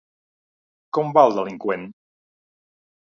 Com va el delinqüent?